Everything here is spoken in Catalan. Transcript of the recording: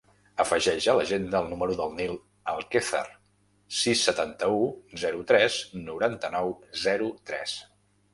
Afegeix a l'agenda el número del Nil Alquezar: sis, setanta-u, zero, tres, noranta-nou, zero, tres.